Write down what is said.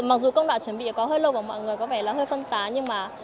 mặc dù công đoạn chuẩn bị có hơi lâu và mọi người có vẻ lắng hơi phân tán nhưng mà